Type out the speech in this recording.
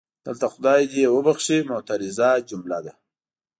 دلته خدای دې یې وبښي معترضه جمله ده.